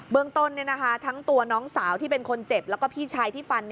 เมืองต้นทั้งตัวน้องสาวที่เป็นคนเจ็บแล้วก็พี่ชายที่ฟัน